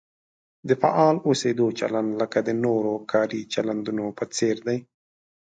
د فعال اوسېدو چلند لکه د نورو کاري چلندونو په څېر دی.